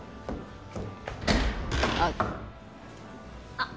あっ。